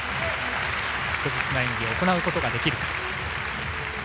確実な演技を行うことができるか。